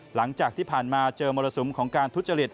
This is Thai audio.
หลังจากที่ผ่านมาเจอมรสุมของการทุจริต